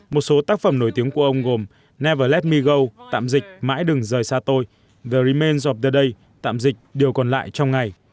một số tác phẩm nổi tiếng của ông gồm never let me go tạm dịch mãi đừng rời xa tôi the remains of the day tạm dịch điều còn lại trong ngày